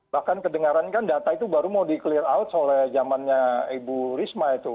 bahkan kedengaran kan data itu baru mau di clear out oleh zamannya ibu risma itu